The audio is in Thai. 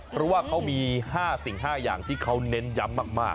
เพราะว่าเขามี๕๕อย่างที่เขาเน้นย้ำมาก